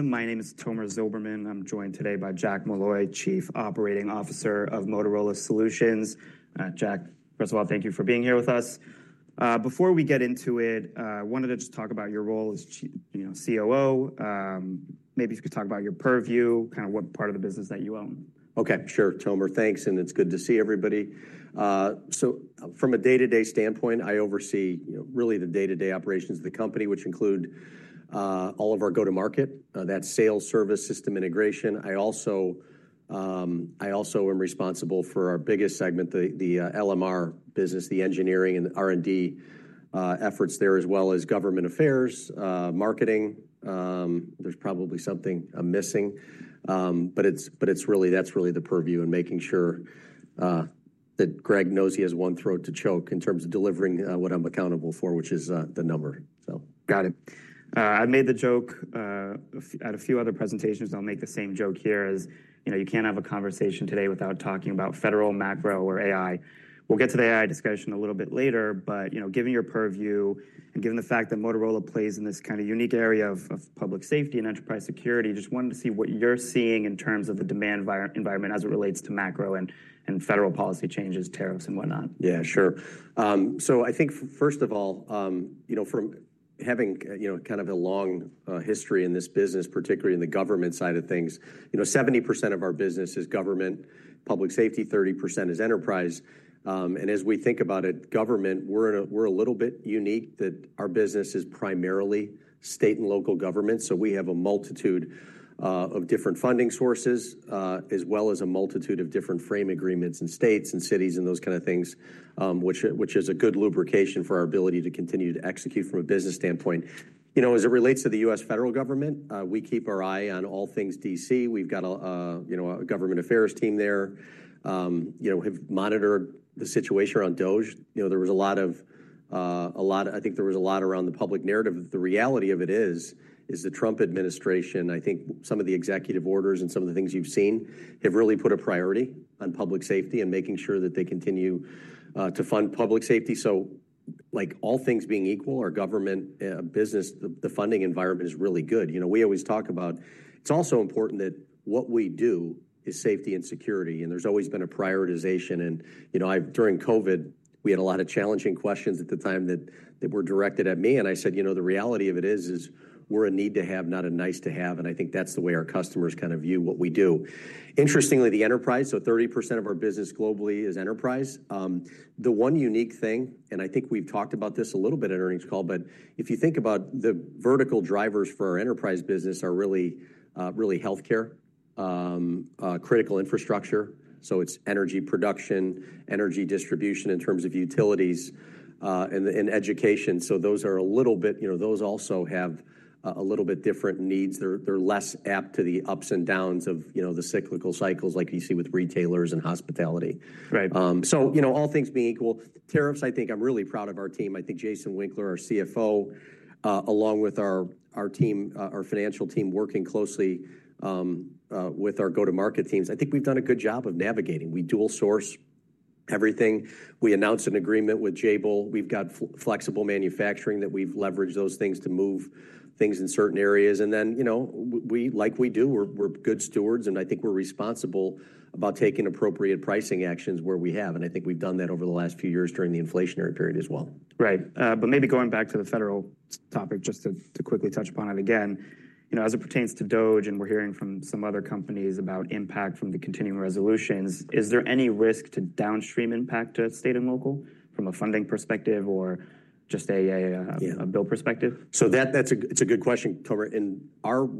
My name is Tomer Zilberman. I'm joined today by Jack Molloy, Chief Operating Officer of Motorola Solutions. Jack, first of all, thank you for being here with us. Before we get into it, I wanted to just talk about your role as COO. Maybe you could talk about your purview, kind of what part of the business that you own. Okay, sure. Tomer, thanks. It's good to see everybody. From a day-to-day standpoint, I oversee really the day-to-day operations of the company, which include all of our go-to-market, that sales, service, system integration. I also am responsible for our biggest segment, the LMR business, the engineering and R&D efforts there, as well as government affairs, marketing. There's probably something missing, but that's really the purview and making sure that Greg knows he has one throat to choke in terms of delivering what I'm accountable for, which is the number. Got it. I've made the joke at a few other presentations, and I'll make the same joke here as you can't have a conversation today without talking about federal, macro, or AI. We'll get to the AI discussion a little bit later, but given your purview and given the fact that Motorola Solutions plays in this kind of unique area of public safety and enterprise security, just wanted to see what you're seeing in terms of the demand environment as it relates to macro and federal policy changes, tariffs, and whatnot. Yeah, sure. I think, first of all, from having kind of a long history in this business, particularly in the government side of things, 70% of our business is government, public safety, 30% is enterprise. As we think about it, government, we're a little bit unique that our business is primarily state and local government. We have a multitude of different funding sources, as well as a multitude of different frame agreements and states and cities and those kind of things, which is a good lubrication for our ability to continue to execute from a business standpoint. As it relates to the U.S. federal government, we keep our eye on all things DC. We've got a government affairs team there. We've monitored the situation around DOGE. There was a lot of, I think there was a lot around the public narrative. The reality of it is that the Trump administration, I think some of the executive orders and some of the things you've seen have really put a priority on public safety and making sure that they continue to fund public safety. All things being equal, our government, business, the funding environment is really good. We always talk about it's also important that what we do is safety and security, and there's always been a prioritization. During COVID, we had a lot of challenging questions at the time that were directed at me. I said, "The reality of it is we're a need-to-have, not a nice-to-have." I think that's the way our customers kind of view what we do. Interestingly, the enterprise, so 30% of our business globally is enterprise. The one unique thing, and I think we've talked about this a little bit at earnings call, but if you think about the vertical drivers for our enterprise business are really healthcare, critical infrastructure. It is energy production, energy distribution in terms of utilities, and education. Those are a little bit—they also have a little bit different needs. They are less apt to the ups and downs of the cyclical cycles like you see with retailers and hospitality. All things being equal, tariffs, I think I am really proud of our team. I think Jason Winkler, our CFO, along with our team, our financial team, working closely with our go-to-market teams, I think we have done a good job of navigating. We dual-source everything. We announced an agreement with JBL. We have got flexible manufacturing that we have leveraged, those things to move things in certain areas. Like we do, we're good stewards, and I think we're responsible about taking appropriate pricing actions where we have. I think we've done that over the last few years during the inflationary period as well. Right. Maybe going back to the federal topic, just to quickly touch upon it again, as it pertains to DOGE, and we're hearing from some other companies about impact from the continuing resolutions, is there any risk to downstream impact to state and local from a funding perspective or just a bill perspective? That's a good question, Tomer.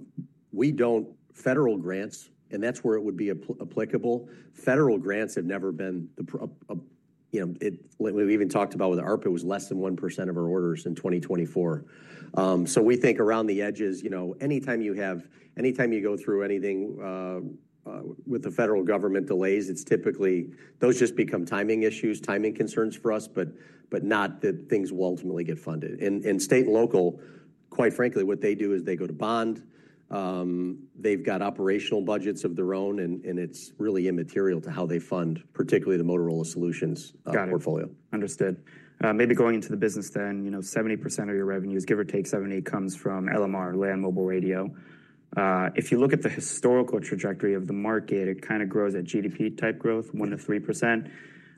We don't federal grants, and that's where it would be applicable. Federal grants have never been the—we've even talked about with ARPA, it was less than 1% of our orders in 2024. We think around the edges, anytime you have—anytime you go through anything with the federal government delays, it's typically those just become timing issues, timing concerns for us, but not that things will ultimately get funded. State and local, quite frankly, what they do is they go to bond. They've got operational budgets of their own, and it's really immaterial to how they fund, particularly the Motorola Solutions portfolio. Understood. Maybe going into the business then, 70% of your revenues, give or take 70, comes from LMR, Land Mobile Radio. If you look at the historical trajectory of the market, it kind of grows at GDP-type growth, 1-3%.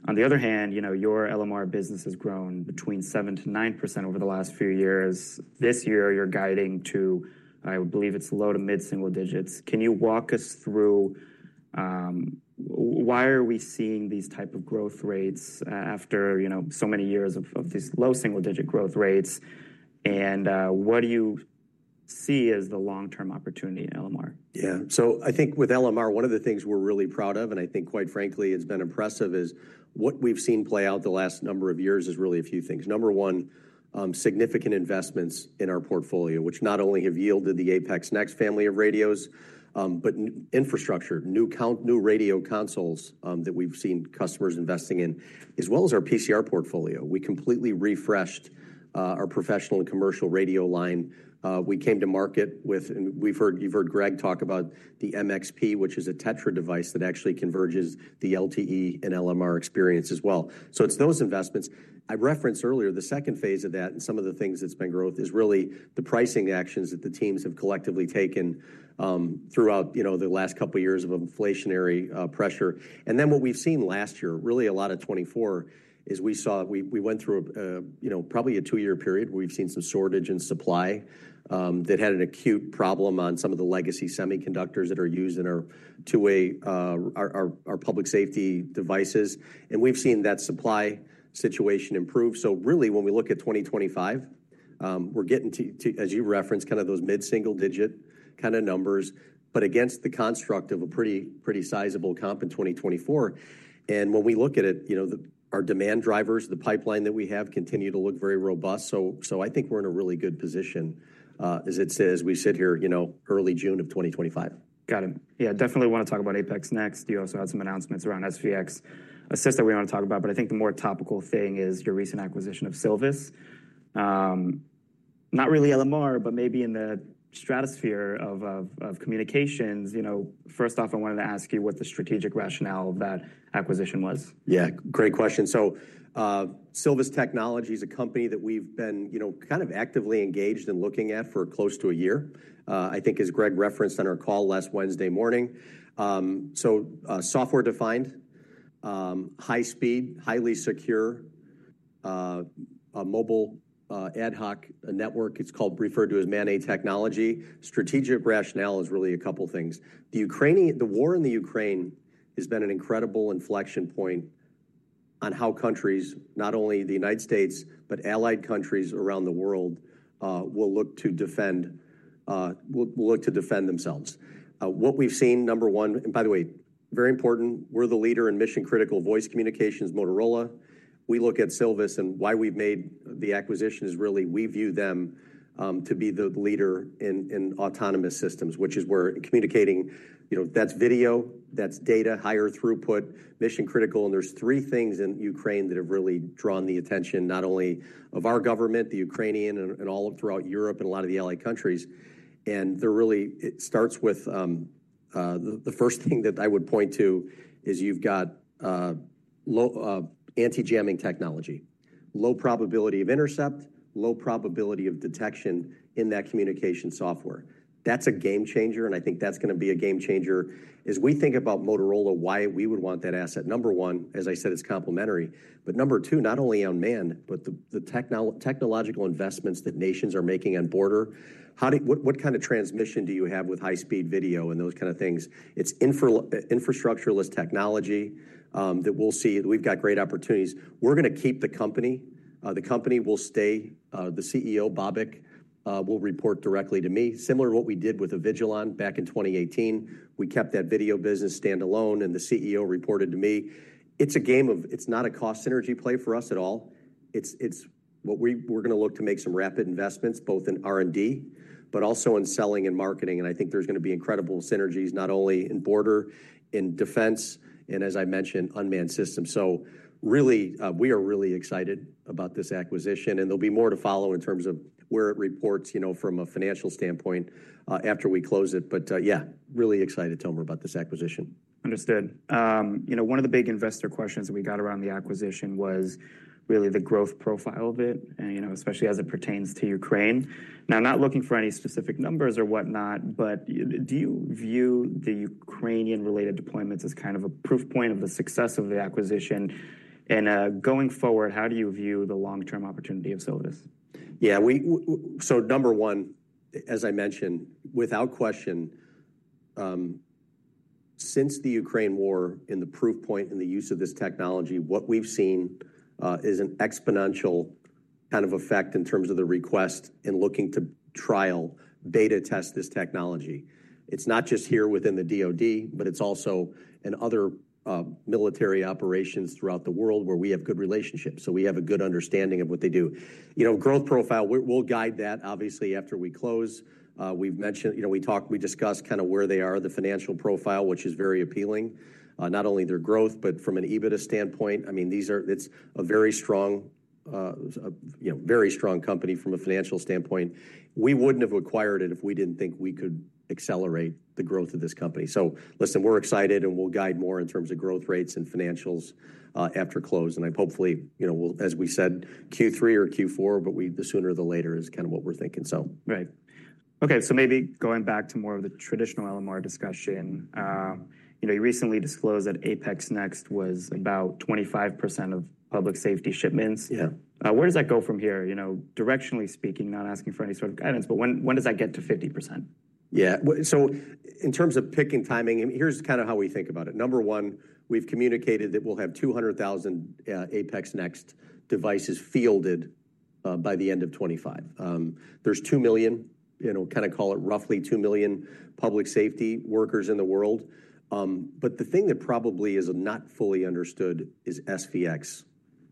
On the other hand, your LMR business has grown between 7-9% over the last few years. This year, you're guiding to, I believe it's low to mid-single digits. Can you walk us through why are we seeing these types of growth rates after so many years of these low single-digit growth rates? What do you see as the long-term opportunity in LMR? Yeah. I think with LMR, one of the things we're really proud of, and I think, quite frankly, it's been impressive, is what we've seen play out the last number of years is really a few things. Number one, significant investments in our portfolio, which not only have yielded the APX Next family of radios, but infrastructure, new radio consoles that we've seen customers investing in, as well as our PCR portfolio. We completely refreshed our professional and commercial radio line. We came to market with—and you've heard Greg talk about the MXP, which is a TETRA device that actually converges the LTE and LMR experience as well. It's those investments. I referenced earlier the second phase of that, and some of the things that's been growth is really the pricing actions that the teams have collectively taken throughout the last couple of years of inflationary pressure. What we've seen last year, really a lot of 2024, is we went through probably a two-year period where we've seen some shortage in supply that had an acute problem on some of the legacy semiconductors that are used in our two-way public safety devices. We've seen that supply situation improve. Really, when we look at 2025, we're getting to, as you referenced, kind of those mid-single digit kind of numbers, but against the construct of a pretty sizable comp in 2024. When we look at it, our demand drivers, the pipeline that we have continue to look very robust. I think we're in a really good position, as it says, we sit here early June of 2025. Got it. Yeah, definitely want to talk about APX Next. You also had some announcements around SVX Assist that we want to talk about. I think the more topical thing is your recent acquisition of Silvus. Not really LMR, but maybe in the stratosphere of communications. First off, I wanted to ask you what the strategic rationale of that acquisition was? Yeah, great question. Silvus Technologies is a company that we've been kind of actively engaged and looking at for close to a year, I think, as Greg referenced on our call last Wednesday morning. Software-defined, high-speed, highly secure, mobile ad hoc network. It's called, referred to as MANET technology. Strategic rationale is really a couple of things. The war in Ukraine has been an incredible inflection point on how countries, not only the United States, but allied countries around the world, will look to defend themselves. What we've seen, number one, and by the way, very important, we're the leader in mission-critical voice communications, Motorola. We look at Silvus, and why we've made the acquisition is really we view them to be the leader in autonomous systems, which is where communicating, that's video, that's data, higher throughput, mission-critical. There are three things in Ukraine that have really drawn the attention, not only of our government, the Ukrainian, and all throughout Europe and a lot of the allied countries. It starts with the first thing that I would point to is you've got anti-jamming technology, low probability of intercept, low probability of detection in that communication software. That's a game changer, and I think that's going to be a game changer as we think about Motorola Solutions, why we would want that asset. Number one, as I said, it's complementary. Number two, not only on man, but the technological investments that nations are making on border, what kind of transmission do you have with high-speed video and those kind of things? It's infrastructuralist technology that we'll see that we've got great opportunities. We're going to keep the company. The company will stay. The CEO, Babak, will report directly to me. Similar to what we did with Avigilon back in 2018, we kept that video business standalone, and the CEO reported to me. It's a game of it's not a cost synergy play for us at all. It's what we're going to look to make some rapid investments, both in R&D, but also in selling and marketing. I think there's going to be incredible synergies, not only in border, in defense, and as I mentioned, unmanned systems. Really, we are really excited about this acquisition, and there'll be more to follow in terms of where it reports from a financial standpoint after we close it. Yeah, really excited, Tomer, about this acquisition. Understood. One of the big investor questions that we got around the acquisition was really the growth profile of it, especially as it pertains to Ukraine. Now, I'm not looking for any specific numbers or whatnot, but do you view the Ukrainian-related deployments as kind of a proof point of the success of the acquisition? Going forward, how do you view the long-term opportunity of Silvus? Yeah. Number one, as I mentioned, without question, since the Ukraine war and the proof point and the use of this technology, what we've seen is an exponential kind of effect in terms of the request and looking to trial, beta test this technology. It's not just here within the DOD, but it's also in other military operations throughout the world where we have good relationships. We have a good understanding of what they do. Growth profile, we'll guide that, obviously, after we close. We've mentioned we discussed kind of where they are, the financial profile, which is very appealing, not only their growth, but from an EBITDA standpoint. I mean, it's a very strong company from a financial standpoint. We wouldn't have acquired it if we didn't think we could accelerate the growth of this company. Listen, we're excited, and we'll guide more in terms of growth rates and financials after close. I hopefully, as we said, Q3 or Q4, but the sooner the later is kind of what we're thinking. Right. Okay. So maybe going back to more of the traditional LMR discussion, you recently disclosed that APX Next was about 25% of public safety shipments. Where does that go from here? Directionally speaking, not asking for any sort of guidance, but when does that get to 50%? Yeah. In terms of picking timing, here's kind of how we think about it. Number one, we've communicated that we'll have 200,000 APX Next devices fielded by the end of 2025. There's 2 million, kind of call it roughly 2 million public safety workers in the world. The thing that probably is not fully understood is SVX.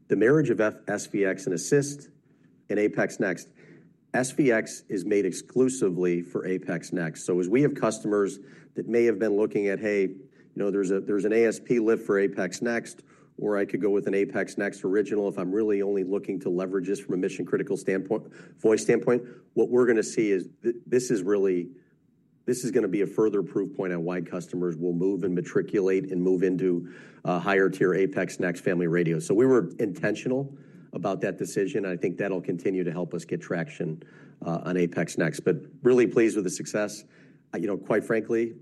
The marriage of SVX and Assist and APX Next, SVX is made exclusively for APX Next. As we have customers that may have been looking at, "Hey, there's an ASP lift for APX Next," or "I could go with an APX Next original if I'm really only looking to leverage this from a mission-critical voice standpoint," what we're going to see is this is going to be a further proof point on why customers will move and matriculate and move into higher-tier APX Next family radios. We were intentional about that decision, and I think that'll continue to help us get traction on APX Next. Really pleased with the success. Quite frankly,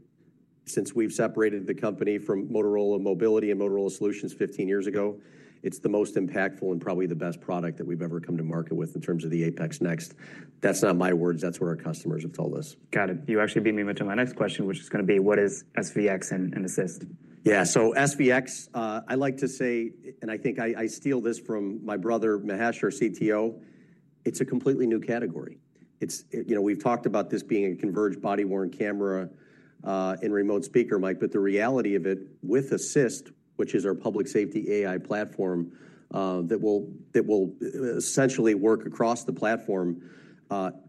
since we've separated the company from Motorola Mobility and Motorola Solutions 15 years ago, it's the most impactful and probably the best product that we've ever come to market with in terms of the APX Next. That's not my words. That's what our customers have told us. Got it. You actually beam me over to my next question, which is going to be, what is SVX and Assist? Yeah. SVX, I like to say, and I think I steal this from my brother, Mahesh, our CTO, it's a completely new category. We've talked about this being a converged body-worn camera and remote speaker mic, but the reality of it with Assist, which is our public safety AI platform that will essentially work across the platform,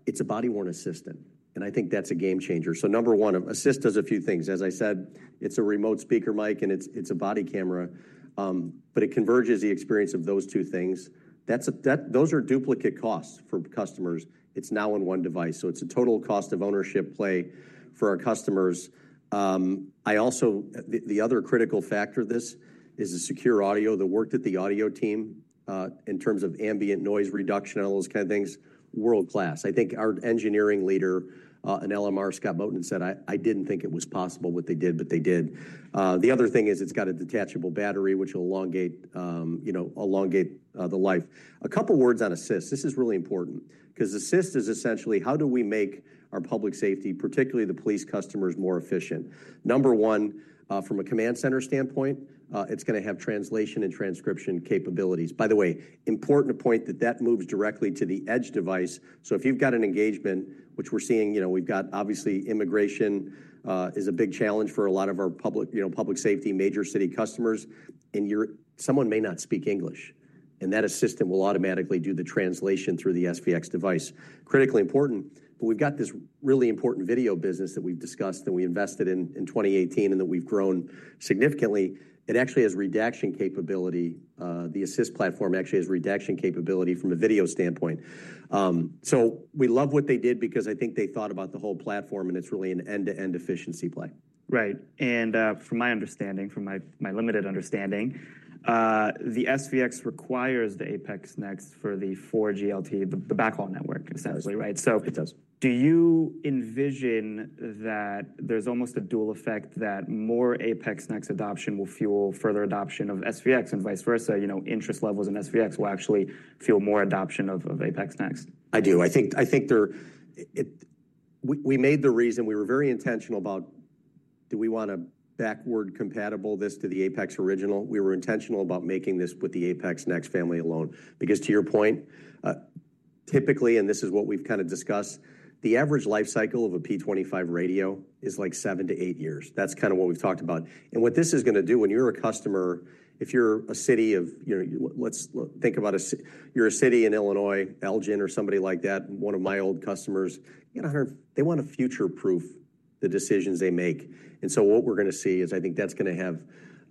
it's a body-worn assistant. I think that's a game changer. Number one, Assist does a few things. As I said, it's a remote speaker mic, and it's a body camera, but it converges the experience of those two things. Those are duplicate costs for customers. It's now on one device. It's a total cost of ownership play for our customers. The other critical factor of this is the secure audio. The work that the audio team in terms of ambient noise reduction and all those kind of things, world-class. I think our engineering leader in LMR, Scott Moten, said, "I didn't think it was possible what they did, but they did." The other thing is it's got a detachable battery, which will elongate the life. A couple of words on Assist. This is really important because Assist is essentially, how do we make our public safety, particularly the police customers, more efficient? Number one, from a command center standpoint, it's going to have translation and transcription capabilities. By the way, important point that that moves directly to the edge device. If you've got an engagement, which we're seeing, we've got obviously immigration is a big challenge for a lot of our public safety major city customers. Someone may not speak English, and that assistant will automatically do the translation through the SVX device. Critically important, but we've got this really important video business that we've discussed and we invested in 2018 and that we've grown significantly. It actually has redaction capability. The Assist platform actually has redaction capability from a video standpoint. We love what they did because I think they thought about the whole platform, and it's really an end-to-end efficiency play. Right. And from my understanding, from my limited understanding, the SVX requires the APX Next for the 4G LTE, the backhaul network, essentially, right? It does. Do you envision that there's almost a dual effect that more APX Next adoption will fuel further adoption of SVX and vice versa? Interest levels in SVX will actually fuel more adoption of APX Next? I do. I think we made the reason we were very intentional about, do we want to backward compatible this to the APX original? We were intentional about making this with the APX Next family alone. Because to your point, typically, and this is what we've kind of discussed, the average life cycle of a P25 radio is like seven to eight years. That's kind of what we've talked about. What this is going to do, when you're a customer, if you're a city of, let's think about a, you're a city in Illinois, Elgin, or somebody like that, one of my old customers, they want to future-proof the decisions they make. What we're going to see is I think that's going to have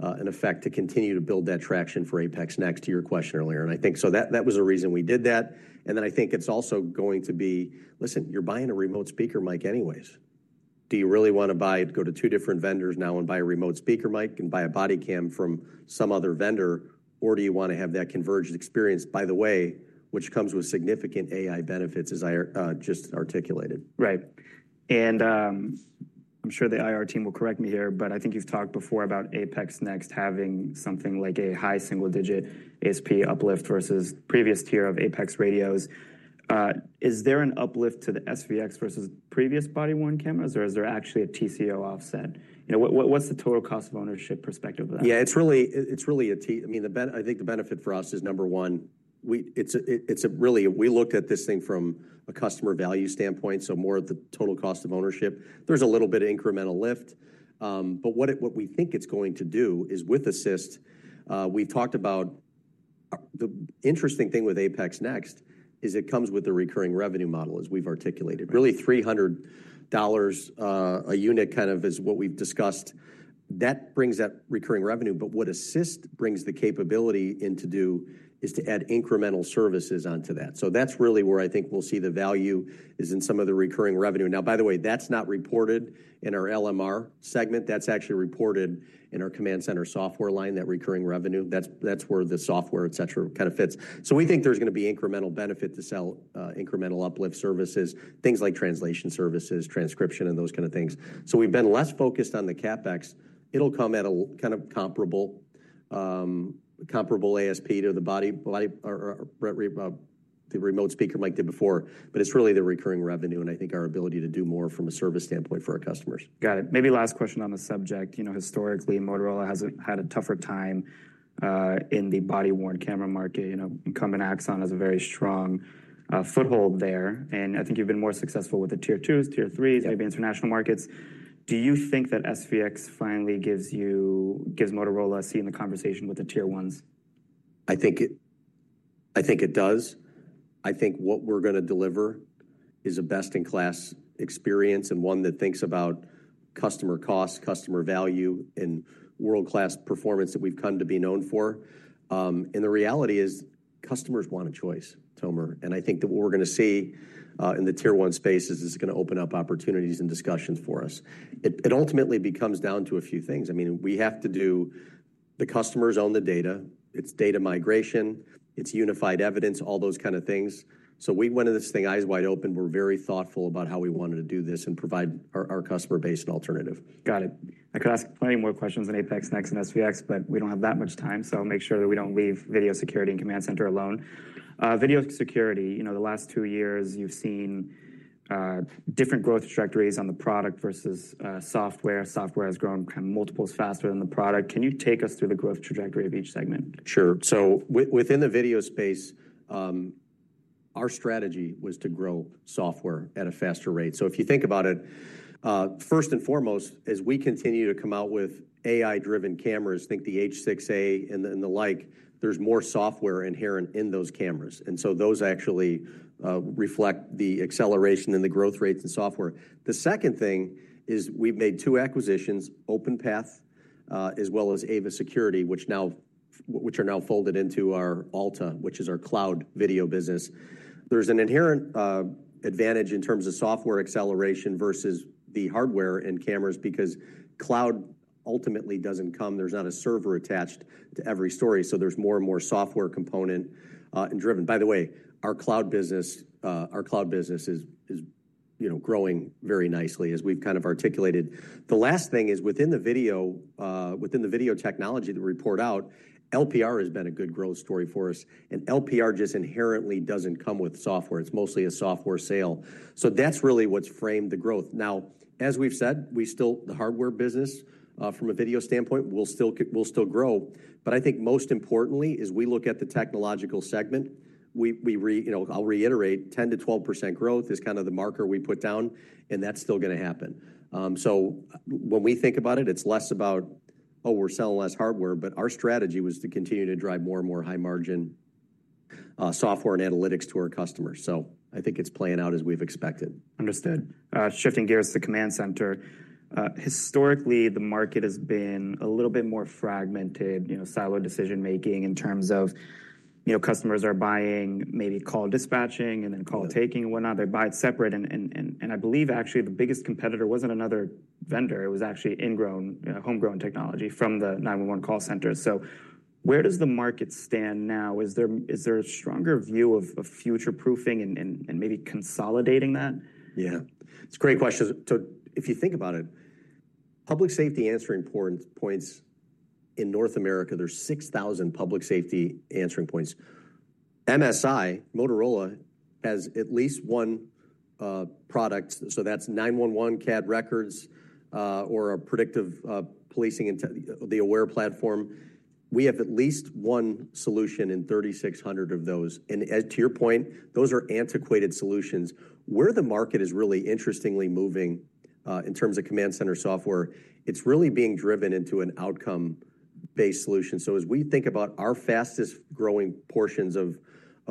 an effect to continue to build that traction for APX Next to your question earlier. I think so that was a reason we did that. I think it's also going to be, listen, you're buying a remote speaker mic anyways. Do you really want to go to two different vendors now and buy a remote speaker mic and buy a body cam from some other vendor, or do you want to have that converged experience, by the way, which comes with significant AI benefits, as I just articulated? Right. I'm sure the IR team will correct me here, but I think you've talked before about APX Next having something like a high single-digit ASP uplift versus previous tier of APX radios. Is there an uplift to the SVX versus previous body-worn cameras, or is there actually a TCO offset? What's the total cost of ownership perspective of that? Yeah, it's really, I mean, I think the benefit for us is number one, it's really, we looked at this thing from a customer value standpoint, so more of the total cost of ownership. There's a little bit of incremental lift. What we think it's going to do is with Assist, we've talked about the interesting thing with APX Next is it comes with the recurring revenue model, as we've articulated. Really $300 a unit kind of is what we've discussed. That brings that recurring revenue, but what Assist brings the capability in to do is to add incremental services onto that. That's really where I think we'll see the value is in some of the recurring revenue. Now, by the way, that's not reported in our LMR segment. That's actually reported in our command center software line, that recurring revenue. That's where the software, etc., kind of fits. We think there's going to be incremental benefit to sell incremental uplift services, things like translation services, transcription, and those kind of things. We've been less focused on the CapEx. It'll come at a kind of comparable ASP to the remote speaker mic did before, but it's really the recurring revenue and I think our ability to do more from a service standpoint for our customers. Got it. Maybe last question on the subject. Historically, Motorola has had a tougher time in the body-worn camera market. Axon has a very strong foothold there. I think you've been more successful with the tier twos, tier threes, maybe international markets. Do you think that SVX finally gives Motorola a seat in the conversation with the tier ones? I think it does. I think what we're going to deliver is a best-in-class experience and one that thinks about customer cost, customer value, and world-class performance that we've come to be known for. The reality is customers want a choice, Tomer. I think that what we're going to see in the tier one space is it's going to open up opportunities and discussions for us. It ultimately comes down to a few things. I mean, we have to do the customers own the data. It's data migration. It's unified evidence, all those kind of things. We went into this thing eyes wide open. We're very thoughtful about how we wanted to do this and provide our customer base an alternative. Got it. I could ask plenty more questions on APX Next and SVX, but we do not have that much time, so I will make sure that we do not leave video security and command center alone. Video security, the last two years, you have seen different growth trajectories on the product versus software. Software has grown multiples faster than the product. Can you take us through the growth trajectory of each segment? Sure. Within the video space, our strategy was to grow software at a faster rate. If you think about it, first and foremost, as we continue to come out with AI-driven cameras, think the H6A and the like, there is more software inherent in those cameras. Those actually reflect the acceleration and the growth rates in software. The second thing is we have made two acquisitions, OpenPath, as well as Ava Security, which are now folded into our Alta, which is our cloud video business. There is an inherent advantage in terms of software acceleration versus the hardware and cameras because cloud ultimately does not come. There is not a server attached to every story, so there is more and more software component and driven. By the way, our cloud business is growing very nicely, as we have kind of articulated. The last thing is within the video technology that we report out, LPR has been a good growth story for us. And LPR just inherently doesn't come with software. It's mostly a software sale. That's really what's framed the growth. Now, as we've said, the hardware business from a video standpoint will still grow, but I think most importantly is we look at the technological segment. I'll reiterate, 10%-12% growth is kind of the marker we put down, and that's still going to happen. When we think about it, it's less about, "Oh, we're selling less hardware," but our strategy was to continue to drive more and more high-margin software and analytics to our customers. I think it's playing out as we've expected. Understood. Shifting gears to command center. Historically, the market has been a little bit more fragmented, siloed decision-making in terms of customers are buying maybe call dispatching and then call taking and whatnot. They buy it separate. I believe actually the biggest competitor wasn't another vendor. It was actually homegrown technology from the 911 call center. Where does the market stand now? Is there a stronger view of future-proofing and maybe consolidating that? Yeah. It's a great question. If you think about it, public safety answering points in North America, there's 6,000 public safety answering points. MSI, Motorola, has at least one product. That's 911 CAD, records, or a predictive policing, the AWARE platform. We have at least one solution in 3,600 of those. To your point, those are antiquated solutions. Where the market is really interestingly moving in terms of command center software, it's really being driven into an outcome-based solution. As we think about our fastest-growing portions of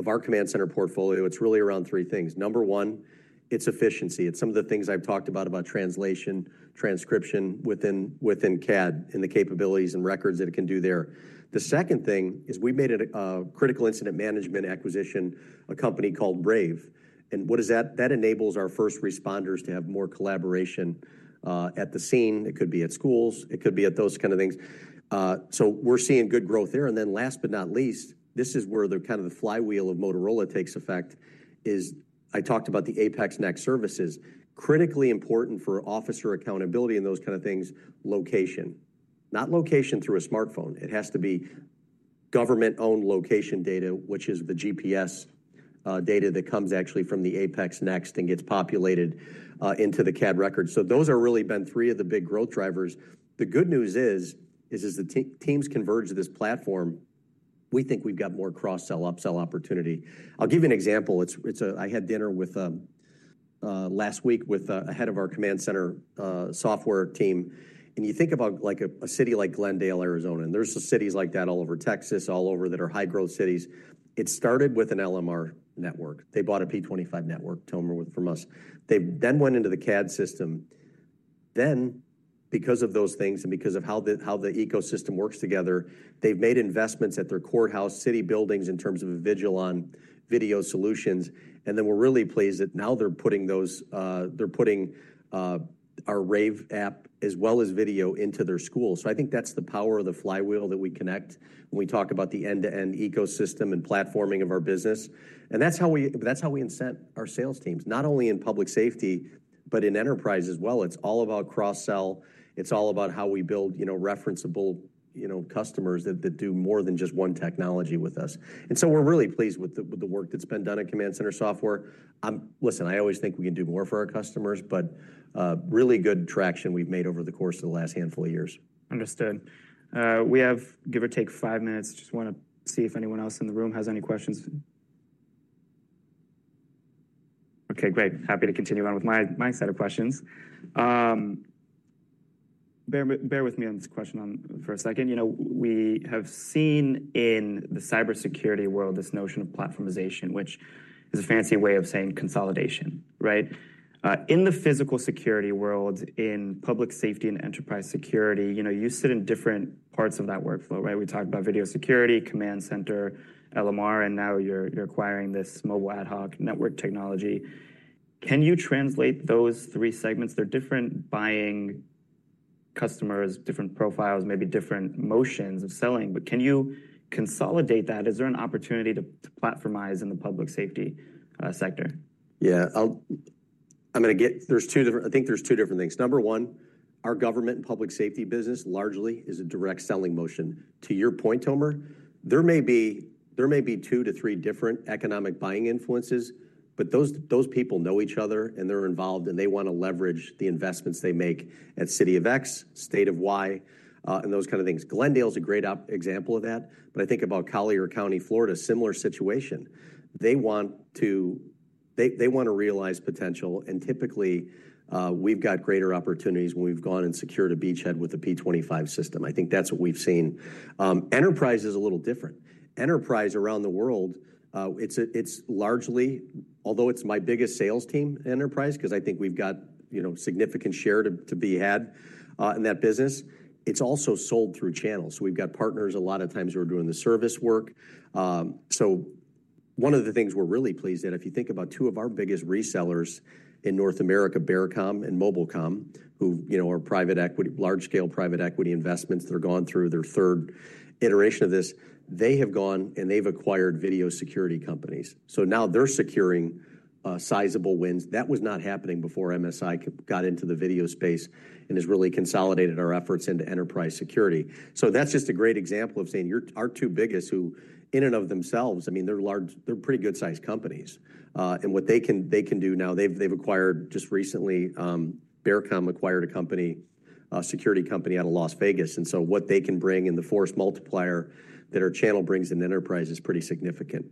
our command center portfolio, it's really around three things. Number one, it's efficiency. It's some of the things I've talked about, about translation, transcription within CAD and the capabilities and records that it can do there. The second thing is we've made a critical incident management acquisition, a company called Brave. What is that? That enables our first responders to have more collaboration at the scene. It could be at schools. It could be at those kind of things. We're seeing good growth there. Last but not least, this is where kind of the flywheel of Motorola takes effect. I talked about the APX Next services, critically important for officer accountability and those kind of things, location. Not location through a smartphone. It has to be government-owned location data, which is the GPS data that comes actually from the APX Next and gets populated into the CAD record. Those have really been three of the big growth drivers. The good news is, as the teams converge to this platform, we think we've got more cross-sell upsell opportunity. I'll give you an example. I had dinner last week with a head of our command center software team. You think about a city like Glendale, Arizona, and there are cities like that all over Texas, all over that are high-growth cities. It started with an LMR network. They bought a P25 network, Tomer, from us. They then went into the CAD system. Because of those things and because of how the ecosystem works together, they've made investments at their courthouse, city buildings in terms of Avigilon video solutions. We are really pleased that now they're putting our RAVE app as well as video into their schools. I think that's the power of the flywheel that we connect when we talk about the end-to-end ecosystem and platforming of our business. That's how we incent our sales teams, not only in public safety, but in enterprise as well. It's all about cross-sell. It's all about how we build referenceable customers that do more than just one technology with us. We are really pleased with the work that's been done at command center software. Listen, I always think we can do more for our customers, but really good traction we've made over the course of the last handful of years. Understood. We have, give or take, five minutes. Just want to see if anyone else in the room has any questions. Okay, great. Happy to continue on with my set of questions. Bear with me on this question for a second. We have seen in the cybersecurity world this notion of platformization, which is a fancy way of saying consolidation, right? In the physical security world, in public safety and enterprise security, you sit in different parts of that workflow, right? We talked about video security, command center, LMR, and now you're acquiring this mobile ad hoc network technology. Can you translate those three segments? They're different buying customers, different profiles, maybe different motions of selling, but can you consolidate that? Is there an opportunity to platformize in the public safety sector? Yeah. I'm going to get there's two different, I think there's two different things. Number one, our government and public safety business largely is a direct selling motion. To your point, Tomer, there may be two to three different economic buying influences, but those people know each other and they're involved and they want to leverage the investments they make at city of X, state of Y, and those kind of things. Glendale is a great example of that. I think about Collier County, Florida, similar situation. They want to realize potential, and typically we've got greater opportunities when we've gone and secured a beachhead with a P25 system. I think that's what we've seen. Enterprise is a little different. Enterprise around the world, it's largely, although it's my biggest sales team, Enterprise, because I think we've got significant share to be had in that business. It's also sold through channels. We've got partners a lot of times who are doing the service work. One of the things we're really pleased at, if you think about two of our biggest resellers in North America, Baricom and Mobilcom, who are large-scale private equity investments that are going through their third iteration of this, they have gone and they've acquired video security companies. Now they're securing sizable wins. That was not happening before Motorola Solutions got into the video space and has really consolidated our efforts into enterprise security. That's just a great example of saying our two biggest who in and of themselves, I mean, they're pretty good-sized companies. What they can do now, they've acquired just recently, Baricom acquired a security company out of Las Vegas. What they can bring and the force multiplier that our channel brings in enterprise is pretty significant.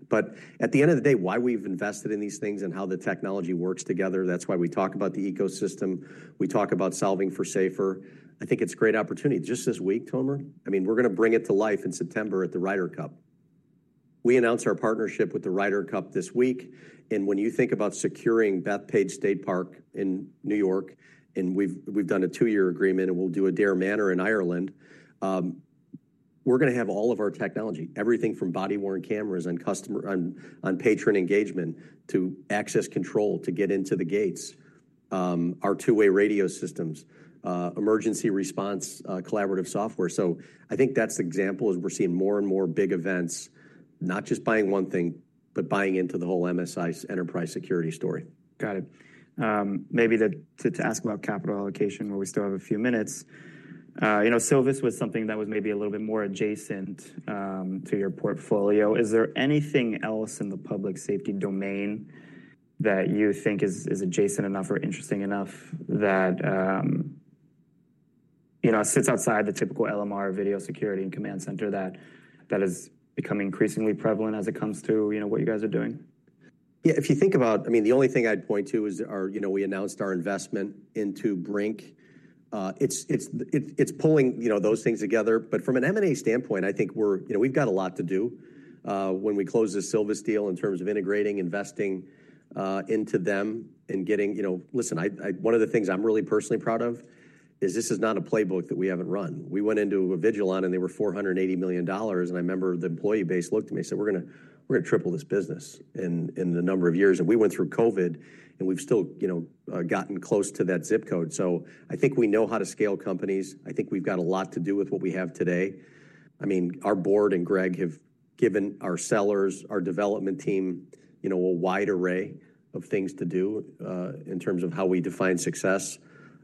At the end of the day, why we've invested in these things and how the technology works together, that's why we talk about the ecosystem. We talk about solving for safer. I think it's a great opportunity. Just this week, Tomer, I mean, we're going to bring it to life in September at the Ryder Cup. We announced our partnership with the Ryder Cup this week. When you think about securing Bethpage State Park in New York, and we've done a two-year agreement and we'll do Adare Manor in Ireland, we're going to have all of our technology, everything from body-worn cameras on patron engagement to access control to get into the gates, our two-way radio systems, emergency response collaborative software. I think that's the example as we're seeing more and more big events, not just buying one thing, but buying into the whole MSI enterprise security story. Got it. Maybe to ask about capital allocation, where we still have a few minutes. Silvus was something that was maybe a little bit more adjacent to your portfolio. Is there anything else in the public safety domain that you think is adjacent enough or interesting enough that sits outside the typical LMR, video security, and command center that is becoming increasingly prevalent as it comes to what you guys are doing? Yeah. If you think about, I mean, the only thing I'd point to is we announced our investment into Brink. It's pulling those things together. From an M&A standpoint, I think we've got a lot to do when we close the Silvus deal in terms of integrating, investing into them and getting—listen, one of the things I'm really personally proud of is this is not a playbook that we haven't run. We went into Avigilon and they were $480 million. I remember the employee base looked at me and said, "We're going to triple this business in the number of years." We went through COVID and we've still gotten close to that zip code. I think we know how to scale companies. I think we've got a lot to do with what we have today. I mean, our board and Greg have given our sellers, our development team a wide array of things to do in terms of how we define success.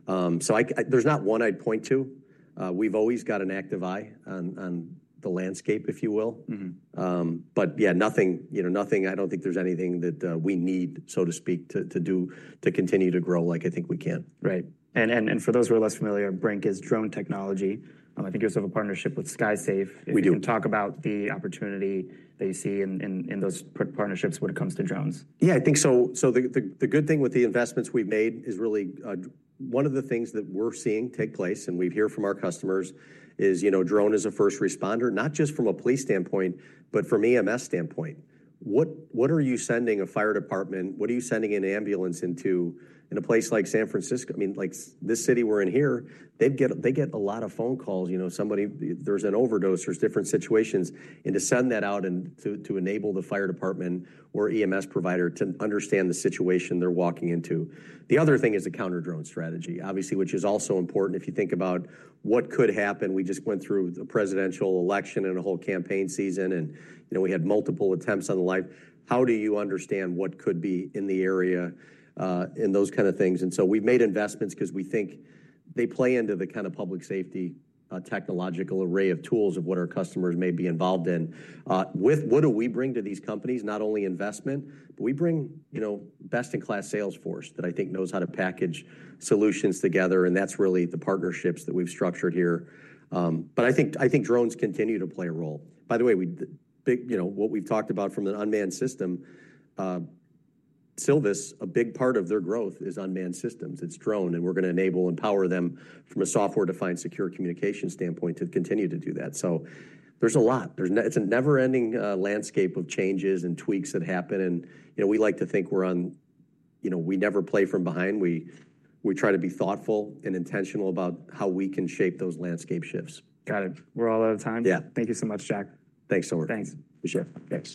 There is not one I would point to. We have always got an active eye on the landscape, if you will. Yeah, nothing, I do not think there is anything that we need, so to speak, to do to continue to grow like I think we can. Right. And for those who are less familiar, Brink is drone technology. I think you also have a partnership with SkySafe. We do. Can you talk about the opportunity that you see in those partnerships when it comes to drones? Yeah, I think so. The good thing with the investments we've made is really one of the things that we're seeing take place, and we hear from our customers, is drone as a first responder, not just from a police standpoint, but from an EMS standpoint. What are you sending a fire department? What are you sending an ambulance into in a place like San Francisco? I mean, this city we're in here, they get a lot of phone calls. There's an overdose, there's different situations. To send that out and to enable the fire department or EMS provider to understand the situation they're walking into. The other thing is the counter-drone strategy, obviously, which is also important if you think about what could happen. We just went through the presidential election and a whole campaign season, and we had multiple attempts on the line. How do you understand what could be in the area and those kind of things? We have made investments because we think they play into the kind of public safety technological array of tools of what our customers may be involved in. What do we bring to these companies? Not only investment, but we bring best-in-class salesforce that I think knows how to package solutions together. That is really the partnerships that we have structured here. I think drones continue to play a role. By the way, what we have talked about from the unmanned system, Silvus, a big part of their growth is unmanned systems. It is drone. We are going to enable and power them from a software-defined secure communication standpoint to continue to do that. There is a lot. It is a never-ending landscape of changes and tweaks that happen. We like to think we're on. We never play from behind. We try to be thoughtful and intentional about how we can shape those landscape shifts. Got it. We're all out of time. Yeah. Thank you so much, Jack. Thanks, Tomer. Thanks. Appreciate it. Thanks.